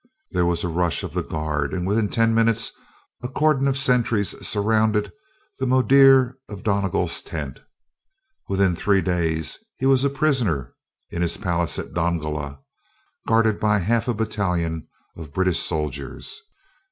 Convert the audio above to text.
"There was a rush of the guard and within ten minutes a cordon of sentries surrounded the Mudir of Dongola's tent. Within three days he was a prisoner in his palace at Dongola, guarded by half a battalion of British soldiers.